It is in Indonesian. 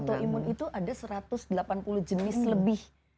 autoimun itu ada satu ratus delapan puluh jenis lebih